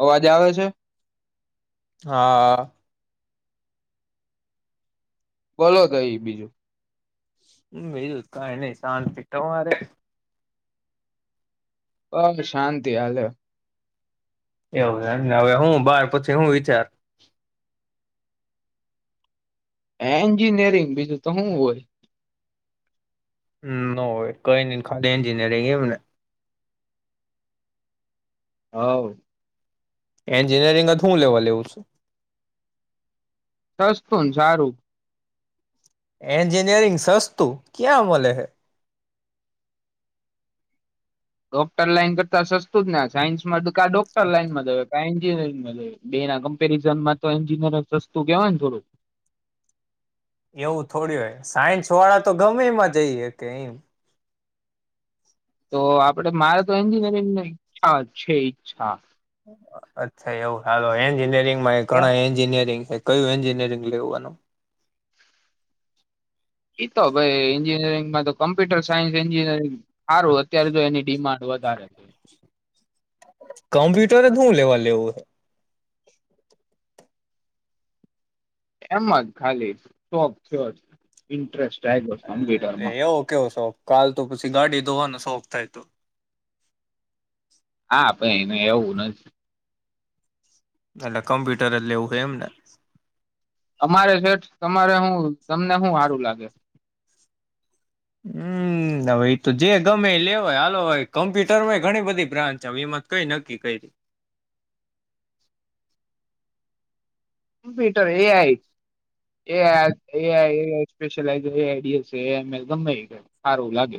અવાજ આવે છે? હા. બોલો તોઈ બીજું હ બીજું કઈ નહી શાંતિ તમારે હા શાંતિ હાલે એવું હવે હું બાર પછી હું વિચાર એન્જિનિયરિંગ બીજું તો હુ હોય ન હોય કઈ ન ખાલી એન્જિનયરિંગ એવુંને હાવ એન્જિનિયરિંગ જ હું લેવા લેવું છું? સસ્તું ન સારું. એન્જિનિયરિંગ સસ્તું, ક્યાં મળે હે? ડોક્ટર લાઈન કરતા સસ્તું જ ને. સાયન્સ માં કા ડોક્ટર લઇનમા જહે કા એન્જનયરિંગ માં જવુ બે ના કમ્પેરિઝનમાં તો એન્જિનિયર સસ્તું કેવાય ને થોડું. એવું થોડી હોય સાયન્સ વાળા તો ગમે એમાં જઈ હકે એમ. તો આપડે મારે તો એન્જિનિયરિંગની ઈચ્છા છે ઈચ્છા અચ્છા એવું હાલો એન્જિનિયરિંગ માં એ ઘણાં એન્જીિનયરિંગ કયું એન્જિનિયરિંગ લેવાનું એઈતો ભાઈ એન્જિનિયરિંગમાં તો કોમ્પ્યુટર સાયન્સ એન્જિનયરિંગ સારું. અત્યારે તો એની ડિમાન્ડ વધારે છે. કમ્પ્યુટર જ હું લેવા લેવું? એમાં જ ખાલી શોખ થયો. ઇન્ટરેસ્ટ આવ્યો છે કમ્પ્યુટરમાં એટલે એવું કેવો શો કાલ તો પછી ગાડી ધોવાનો શોખ થાય તો હા ભ એને એવું નથી એટલે કમ્પ્યુટર જ લેવું હોય એમ ને અમારે છેઠ તમારે હું તમને શું સારું લાગે હમ હવે એ તો જે ગમે એ લેવાય હાલો કમ્પ્યુટરમાંય ઘણી બધી બ્રાન્ચ હવે એમાં કઈ નક્કી કરી મ્પ્યુટર એઆ ગમે સારું લાગે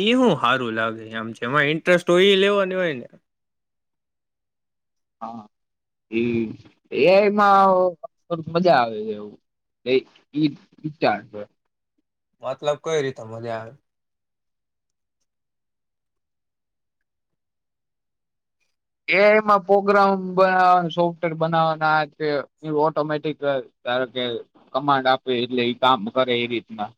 એ હું સારું લાગે આમ છે એમાં ઇન્ટરેસ્ટ હોય એ લેવાની હોય ને હા એ એમાં થ મજા આવે છે એવચાર મતલબ કઈ રીતે મજા આવે એ એમાં પ્રગ્રામ બનાવવાનું સોફ્ટવેર બનાવવાના ઓટોમેટિક ધાર કે કમાન્ડ આપે એટલે એ કામ કરે એ રીતના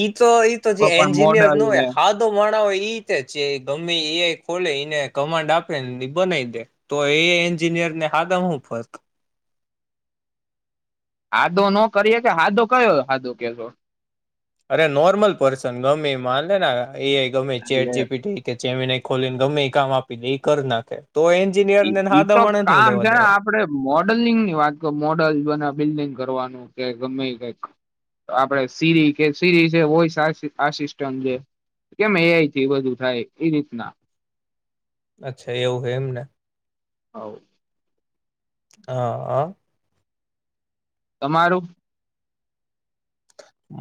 એ તો એ તો જે કોઈ પણ એન્જિનિયર ન મોડલ હોય ને હાદો માણા હોય એ રીતે જે ગમે એ ખોલે એને કમાન્ડ આપે બનાવી દે તો એ એન્જિનિયર ને હાથ હું ફર્ક આાદો નો કરીએ કે સાાદો કયો સાદો કેસો અરે નોર્મલ પર્સન ગમે મા લેને એ એ ગમ એ છે એર એટલે જીપી જેમને ખોલી ને ગમે એ કામ આપી દે એ કર નાખે તો એન્જિનિયર ને હાદા ઈતો માણસ હું કામ લેવા છે દેવા ને આપડે મોડલિંગ ની વાત કરી મોડલ બને બિલ્ડિંગ કરવાનું ગમે આપણેે સીરી કે સીરી વો આસિસ્ટ છે કેમ એથી બધું થાય એ રીતના અચ્છા એવું એમ ને [inaudible] હા હા તમારું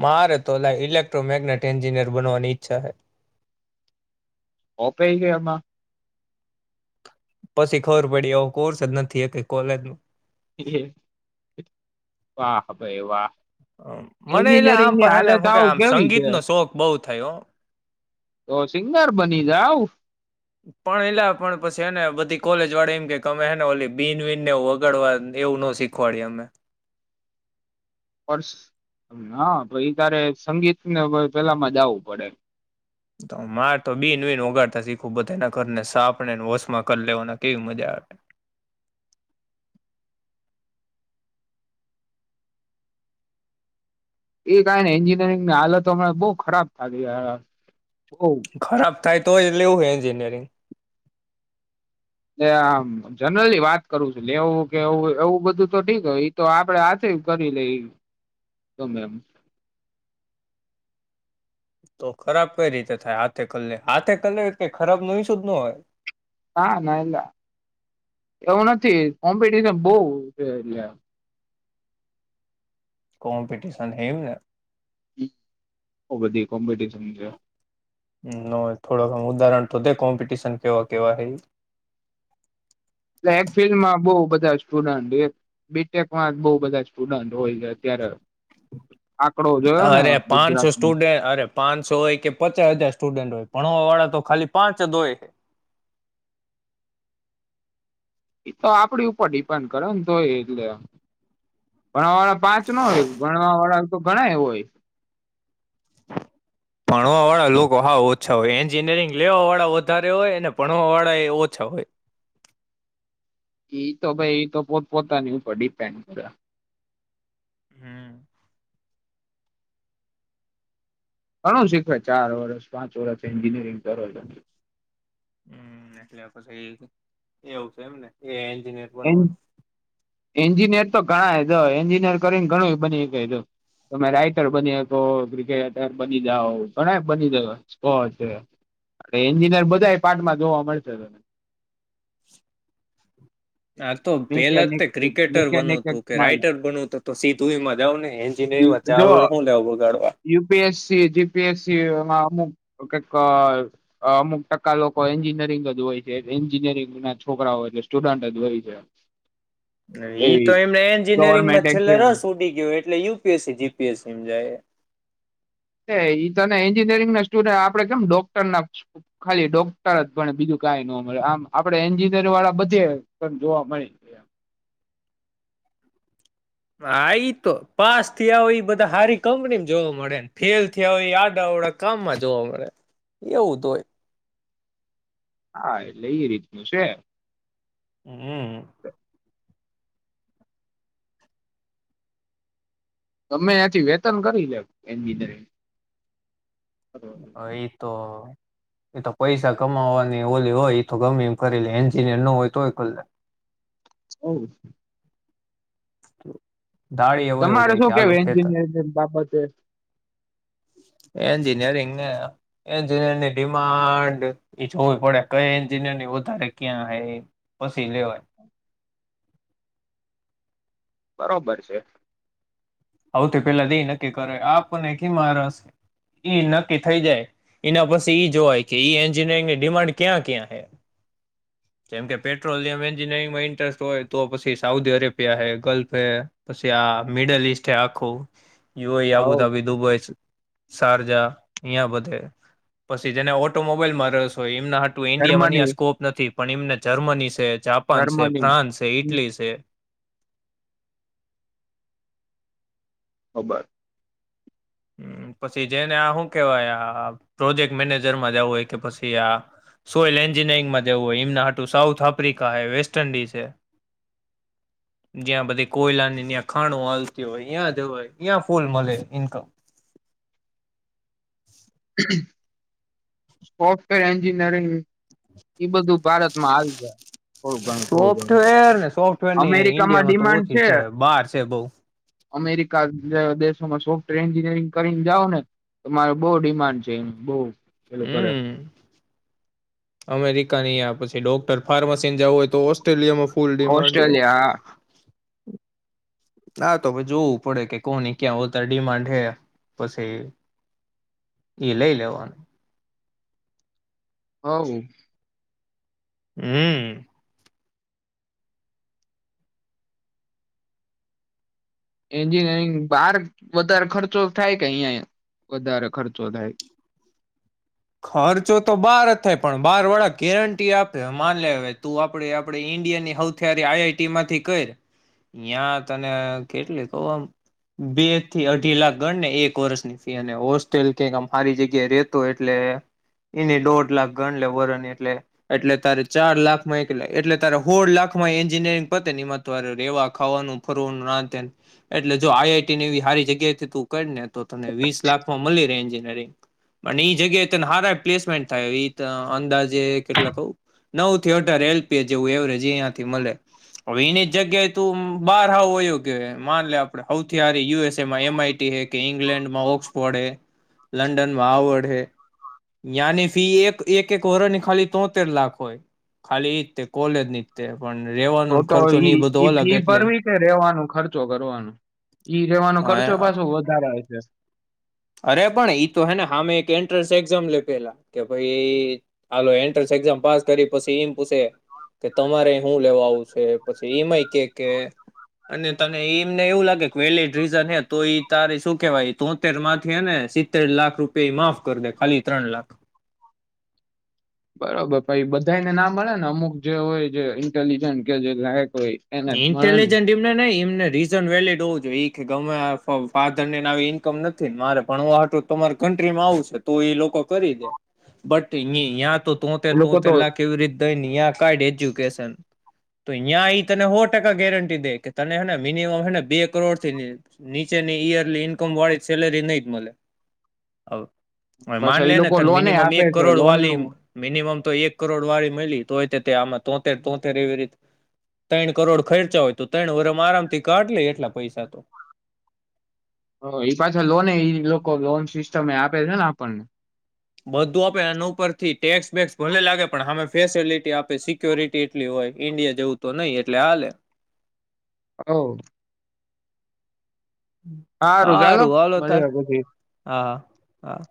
મારે તો લ ઇલેક્ટ્રોમેગ્નેટ એન્જિનિયર બનવાની ઈચ્છા છે ઓપેઈ ગયા એમાં પછી ખબર પડી આવ કોર્સ જ નથી એ કોલેજ ન [inaudible] વાહ હા ભાઈ વાહ મને એટલે એન્જિનિયરિંગ આમ ની પને હાલત કે આવ આમ કેવી છે સંગીતનોો શોખ બઉ થયો તો સિંગર બની જાાવ પણ એલા પણ પછી એને બધી કોલેજ વાળે એમ કે અમેને ઓલી બિન વિન ને વગાડવા એવું ન શીખવાડી અમે પ હ પ તારે સંગીતને પેલા મજ આવવું પડે તો માર તો બિન બિન ઓગાડતા શીખું બધા એના ઘરને સાપને વશમાં કરી લેવાના કેવી મજા આવે એ ક ને એન્જિનિયરિંગ ની હાલત હમણાં બહુ ખરાબ થ ગઈ ખરાબ કઈ તો એટલે એવું હો એન્જિનિયરિંગ એ આમ જનરલી વાત કરું છે લેવું કે એું એવું બધું તો ઠીક હોય એ તો આપડે આથી કરી લઈ ગમે એમ તો ખરાબ કઈ રીતે થાય હાથે કલે હાથે કલે ખરાબ નય શુંધ ન હોય ના ના એલા એવું નથી કોમ્પિટશન બહ એટલે કોમ્પિટીશન હેમને બધી કોમ્પિટશન છે થોડોક ઉદાહરણ તો તે કોમ્પિટિશન કેવા કેવા હ એ એક ફિલ્ડમાં બહુ બધા સ્ટુડન્ટ એક બીટેકમાં જ બહ બધા સ્ટુડન્ટ હોય છે અત્યારે આંકડો જોયો ને અરે પાંચસો ગુજરાતનો સ્ટુડન્ટ અરે પાંચસો હોય કે પચાસ હાજાર સ્ટુડન્ટ હોય ભણ વાળા તો ખાલી પાંચ દોય એ તો આપડી ઉપર ડિપેન્ડ કરેને તો હોય એટલે ભણ વાળા પાંચ નો હોય ભણવા વાળા તો ઘણા એ હોય ભણવા વાળા લોકો હા ઓછા હોય એન્જિનિયરિંગ લેવા વાળા વધારે હોય ને ભણવા વાળા એ ઓછા હોય એઈ તો ભાઈ એ તો પો પોતાની ઉપર ડિપેન્ડ કર હમ ઘણું શીખવાવે ચાર વર્ષ પાંચ વરષ એન્જિનિયરિંગ કરો હમ એટલે પ એવું છે એમને ર બનવાનું એન્જિનિયર તો ઘણા એન્જિનિયર કરીને ઘણું બની તમે રાઈટર બનીકો ક્રિકેટર બની જા ઘણા બનીકો એન્જિનિયર બધા પાર્ટમાં જોવા મળશે તમે આ તો પેલા તે ક્રિકેટર બનવ હતું કે મેકેનિકમાં રાઈટર બનવ હતું તો સીધમાં જાવ ને એન્જનમાં જો ચારર હું લઉ બગાડવા યુપીએસસી જીપીએસસી એમાં અમુક કઈક અમુક ટકા લોકો એન્જિનિયરિંગ જ હોય છે એન્જિનિયરિંગ ના છોકરાઓ એટલે સ્ટુડન્ટ જ હોય છે તો એવી એમને એન્જિનિયરિંગ ગવર્મેન્ટ માં છેલ્લેર એક્ઝામ ઉડી ગયો એટલે યુપીએસસી જીપીએસમ જાય એ એ તને એન્જિનિયરિંગ ના સ્ટુડ આપડે કેમ ડોક્ટર ના ખાલી ડોક્ટર જ ભણે બીજું કઈ ન મળે આમ આપે એન્જિનિયર વાળા બધે ત જોવા મળે આ એ તો પાસ થયા હોય બધા સારી કંપનીમાં જોવા મળે ફેલ થયા હોય આડા ઓડા કામમાં જોવા મળે એવું તો હોય હા એટલે એ રીતનું છે હમ [inaudible] તમે એ્યાંથી વેતન કરી લે એન્જિનિયરિંગ એ તો એ તો પૈસા કમાવાની ઓલી હોય એ તો ગમે એ કરી લે એન્જિનિયર ન હોય તોય કરી લે [inaudible] [inaudible] એ વયો તમારે જાય કે શું કેવય હાલો ખેતર એન્જિનિયરિંગ બાબત હ એન્જિનિયરિંગ ને એન્જિનયરની ડિમાન્ડ એ જોવી પડે કઈ એન્જિનિયર વધારે ક્યાં પછી લેવાય બરોબર છે આવતી પેલા તો એ નક્કી કરે આપને કીમા રસ એ નક્કી થઈ જાય એના પછી ઈ જોવાય કે એન્જિનિયરિંગની ડિમાન્ડ ક્યાં ક્યાં હે જેમ કે પેટ્રોલિયમ એન્જિનિયરિંગમાં ઇન્ટરેસ્ટ હોય તો પછી સાઉદી અરેબિયા હે ગલ્ફ હ પછી આ મિડલ ઈસ્ટ હ આખું યુઆઈ હવ આબુધાબી દુબઈ સારજા અયા બધે પછી જેને ઓટોમોબાઈલ માં રહેસો એ હતું ઇન્ડિયામાંની જર્મની સ્કોપ નથી પણ એમને જર્મની છે જાપાન છે જર્મની ફ્રાન્સ છે હમ ઇટલી છે ખબર પછી જેને આ શું કેવાય આ પ્રોજેક્ટ મેનેજરમાં જવું હોય કે પછી આ સોયલ એન્જિનયરિંગમાં જવું હોય એમના આટું સાઉથ આફ્રિકા હ વેસ્ટ ન્ડિઝ છે જ્યાં બધી કોયલાની્યા ખાણો ચાલતી હોય જવય ત્યાં ફૂલ મળે ઇન્કમ સોફ્ટવેર એન્જિનિયરિંગ એ બધું ભારતમાં આવી જાય થોડું ઘણું થોડું ઘણું સોફ્ટવેર ને સોફ્ટ નહી અમેરિકામાં ઇન્ડિયામાં તો ડિમાન્ડ ઓછી છે બહાર છે બઉ અમેરિકા દેશોમાં સોફ્ટવેર એન્જિનિયરિંગ કરીને જાાવ ને તો મારો બહુ ડિમાન્ડ છે એનું બઉ હમ અમેરિકાનીયા પછી તે ડોક્ટર ફાર્માસીને જવું હોય તો ઓસ્ટ્રેલિયામાં ફૂલ ડિમાન્ડ હે ઓસ્ટ્રેલિયા હા તો જોવું પડે કે કોની ક્યાં વધતારે ડિમાન્ડ હે પછી એ લઈ લેવાનું હા હમ એન્જિનિયરિંગ બહાર વધારે ખર્ચો થાય કે અહિયાં વધારે ખર્ચો થાય ખર્ચો તો બાર થાય પણ બાર વાળા ગેરંટી આપે માન લે તું આપડી આપે ઈન્ડિયાની હથિયારી આઈઆઈટી માંથી કર ત્યાં તને કેટલી કમ બે થી અઢી લાખ ગણને એક વર્ષની ફી અને હોસ્ટેલ કક આમારી જગ્યાએ રતો એટ એની દોઢ લાખ ગણ લે વરણ એટલે એટલે તારે ચાર લાખ માં એક એટલે તારે હોોળ લાખ માં એન્જિનયરિંગ પતે માંરે રેવા ખાવાનું ફરવાનું નાંત એટલે જો આઈઆઈટી ની એ સારી જગ્યાથી તું કરી ને તો તને વીસ લાખમાં મળી રહેે એન્જિનયરિંગ જગ્યાએ ત હાર પ્લેસમેન્ટ થાય એ અંદાજે કેટલા નવ થી અઢાર એલપીએ જેવું એવરેજ એયાથી મળે હવે એની જગ્યાએ તું બાર હયું કે માન લે આપડ સૌથી હારી યુએસએમાં એમ આઈટી હે કે ઈંગ્લેન્ડમાં ઓક્સફોર્ડ હે લંડનમાં હડ હે ની ફી એક એક એક વરની ખાલી તોતેર લાખ હોય ખાલી એ જ તે કોલેજ ની જ તે પણ તો રેવાનો તો ખર્ચો ને એ બધો ઈઈ અલગ ફી એટલે ભરવી કે રેવાનું ખર્ચો કરવાનું ઈ રેવાનો ખર્ચો પાછું વધારે જસ અરે પણ તો હેમે એક એ્રસ એઝામ લે પેલા કે ભાઈ આાલ એન્ટ્રસ એઝામ પાસ કરી પછી એમ પૂછે કે તમારે શું લેવા આવું છે પછી એમાંય કે અને ત એમને એવું લાગે વેલીડ રીઝન તો ત શું કેવાય તોતેર સિત્તેર લાખ રૂપિયા માફ કરી દે ખાલી ત્રણ લાખ બરોબર પાઈ બધાને ના મળે ને અમુક જે હોય જે ઇન્ટેલિજન્ટ કે જે લાયક હોય એને જ મળે ને ઇન્ટેલીિજન્ટ એમને ન એ રીઝન વેલીડ હોવું જોઈએ એ ગમે ફધર ને ઈનકમ નથી ને મારે પણ હ હત તમારી કન્ટ્રીમાં આવું છે તો એ લોકો કરી દે બટ તો તો તે એ તો લોકો તેલા કેવી રીતે કડ એજ્યુકેશન તો ્યાં તને સો ટકા ગેરંટી દે કે તનેે મિનિમમ હેને બે કરોડ થી નીચેની ઈયરલી ઈન્કમ વાળી સેલેરી નહી જ મળે હ પાછા માન લે એ ને લોકો ત લોને મિનિમમ આપે એક છે કરોડ લોન વાલી નું મિનિમમ તો એક કરોડ વાળી મળી તો હોય તે આમાં તોતેર તોતેર એવી રીતે ત્રણ કરોડ ખર્ચા હોય તો ત્રણ વરમાં આરામ થી કાઢ લે એટલા પૈસા તો હ એ પાછા લોન એ લોકો લોન સિસ્ટમ એ આપે છે ને આપણને બધું આપે અને ઉપરથી ટેક્સ બેેક્સ ભલે લાગે પણ હમે ફેસિલિટી આપે સિક્યોરિટી એટલી હોય ઈન્ડિયા જવું તો નહીિ એટલે હાલે હ સારું ચાલો હાારુંવાલોો તાર મળીએ પછી હા હા